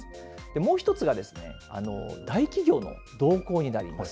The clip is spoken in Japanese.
もう１つは、大企業の動向になります。